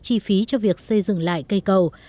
chi phí cho việc xây dựng lại cây cầu